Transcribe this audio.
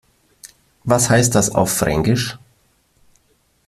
Was heißt das auf Fränkisch?